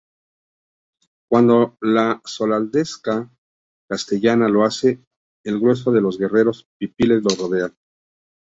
Cuando la soldadesca castellana lo hace, el grueso de los guerreros pipiles los rodean.